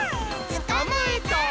「つかまえた！」